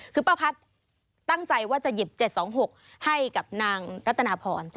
คือป้าพัฒน์ตั้งใจว่าจะหยิบ๗๒๖ให้กับนางรัตนาพร